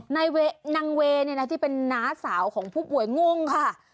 นางเวย์ที่เป็นน้าสาวของผู้ป่วยงงค่ะ